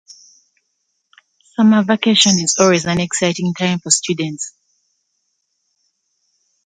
Summer vacation is always an exciting time for students.